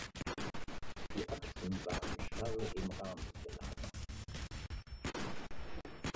Die Achsen waren starr im Rahmen gelagert.